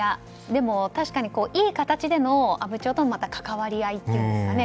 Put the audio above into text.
でも確かにいい形での阿武町とのまた関わり合いというんですかね。